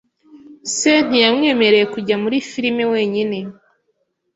Se ntiyamwemereye kujya muri firime wenyine .